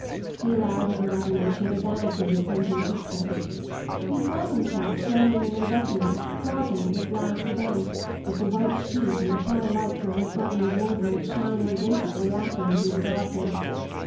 He allowed his imagination the vanity of painting pictures. He saw himself standing in their bedroom, plotting this last event, with the white sheet and the high lights of the mahongany wardrobe shining ghostly at him through the darkness.